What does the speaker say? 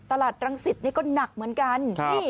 ตลาดรังศิษย์ก็หนักเหมือนกัน